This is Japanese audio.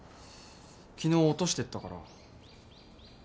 昨日落としてったから。